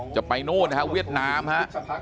โน่นนะฮะเวียดนามฮะ